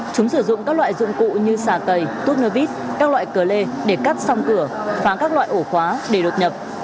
các loại dụng cụ như xà cầy túc nơ vít các loại cờ lê để cắt song cửa phá các loại ổ khóa để đột nhập